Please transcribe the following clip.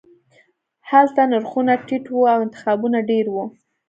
هلته نرخونه ټیټ وو او انتخابونه ډیر وو